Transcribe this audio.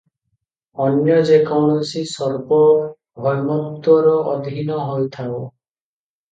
ଅନ୍ୟ ଯେ କୌଣସି ସାର୍ବଭୌମତ୍ତ୍ୱର ଅଧୀନ ହୋଇଥାଉ ।